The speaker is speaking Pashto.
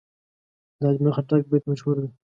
د اجمل خټک بیت مشهور دی.